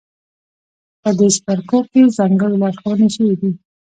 په دې څپرکو کې ځانګړې لارښوونې شوې دي.